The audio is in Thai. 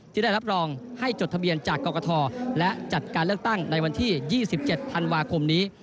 ที่ได้รับรองให้จดทะเบียนจากกรกฐและจัดการเลือกตั้งในวันที่๒๗ธันวาคมนี้